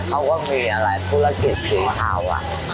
เขาก็มีอะไรธุรกิจสีเทา